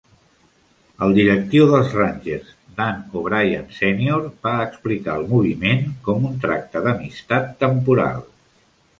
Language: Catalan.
El directiu dels Rangers, Dan O'Brien Senior, va explicar el moviment com un "tracte d'amistat" temporal.